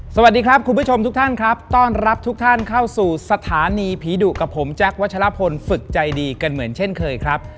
สวัสดีครับคุณผู้ชมทุกท่านครับต้อนรับทุกท่านเข้าสู่สถานีผีดุกับผมแจ๊ควัชลพลฝึกใจดีกันเหมือนเช่นเคยครับ